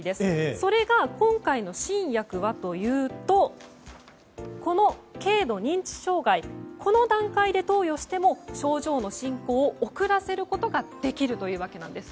それが今回の新薬はというとこの軽度認知障害この段階で投与しても症状の進行を遅らせることができるというものなんです。